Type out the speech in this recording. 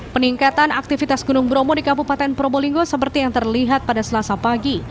peningkatan aktivitas gunung bromo di kabupaten probolinggo seperti yang terlihat pada selasa pagi